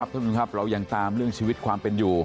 ท่านผู้ชมครับเรายังตามเรื่องชีวิตความเป็นอยู่